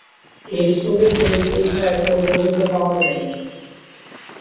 AIDS রোগের কোন চিকিৎসা এখনো পর্যন্ত পাওয়া যায়নি।